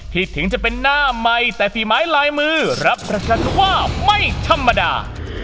ถึงจะเป็นหน้าใหม่แต่ฝีไม้ลายมือรับประชันว่าไม่ธรรมดา